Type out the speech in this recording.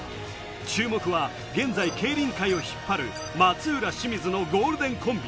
注目は現在、競輪界を引っ張る松浦・清水のゴールデンコンビ。